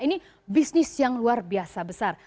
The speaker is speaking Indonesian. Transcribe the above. ini bisnis yang luar biasa besar